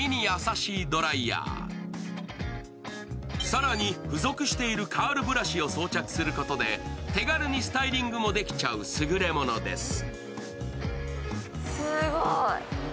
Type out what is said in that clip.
更に、付属しているカールブラシを装着することで手軽にスタイリングもできちゃうすぐれものです。